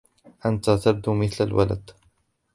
أنتَ تبدو مثل الولد.